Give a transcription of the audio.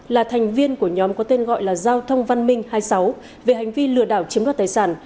là thành viên của nhóm có tên gọi là giao thông văn minh hai mươi sáu về hành vi lừa đảo chiếm đoạt tài sản